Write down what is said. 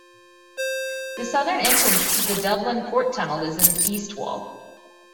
The southern entrance to the Dublin Port Tunnel is in East Wall.